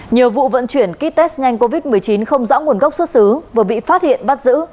nhiều vụ vận chuyển ký test nhanh covid một mươi chín không rõ nguồn gốc xuất xứ vừa bị phát hiện bắt giữ